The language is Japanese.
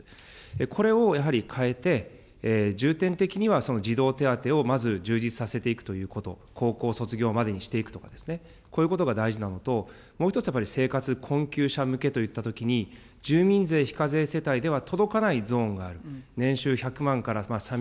これをやはり変えて、重点的には、その児童手当をまず充実させていくということ、高校卒業までにしていくとかですね、こういうことが大事なのと、もう一つ、やはり生活困窮者向けといったときに、住民税非課税世帯では届かないゾーンがある。